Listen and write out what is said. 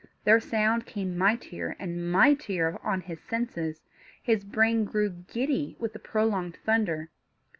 Their sound came mightier and mightier on his senses; his brain grew giddy with the prolonged thunder.